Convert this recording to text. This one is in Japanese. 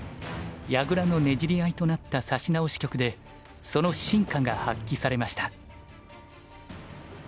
矢倉のねじり合いとなった指し直し局でその真価が発揮されました。